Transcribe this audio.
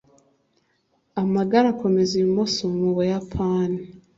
amagare akomeza ibumoso mu buyapani